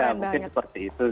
ya mungkin seperti itu